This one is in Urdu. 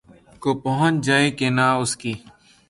کو پہنچ جائے کہ نہ اس کی